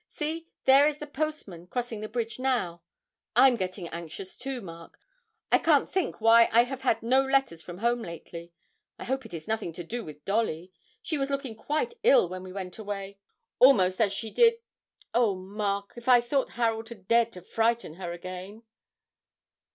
'See, there is the postman crossing the bridge now; I'm getting anxious too, Mark, I can't think why I have had no letters from home lately. I hope it is nothing to do with Dolly. She was looking quite ill when we went away, almost as she did oh, Mark, if I thought Harold had dared to frighten her again!'